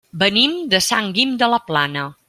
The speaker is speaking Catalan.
Venim de Sant Guim de la Plana.